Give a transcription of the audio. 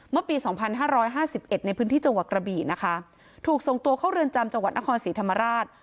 เมื่อปีสองพันห้าร้อยห้าสิบเอ็ดในพื้นที่จังหวัดกระบี่นะคะถูกส่งตัวเข้าเรือนจำจังหวัดนครศรีธรรมราช